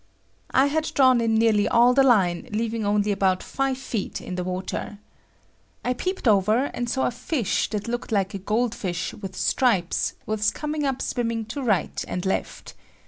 I had drawn in nearly all the line, leaving only about five feet in the water. I peeped over and saw a fish that looked like a gold fish with stripes was coming up swimming to right and left.